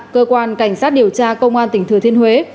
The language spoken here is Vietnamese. cơ quan cảnh sát điều tra công an tỉnh thừa thiên huế